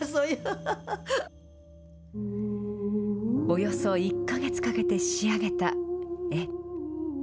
およそ１か月かけて仕上げた絵。